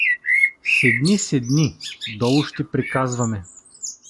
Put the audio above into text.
— Седни, седни, долу ще приказваме.